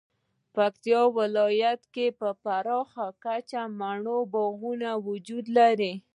پکتیکا ولایت کې په پراخه کچه مڼو باغونه وجود لري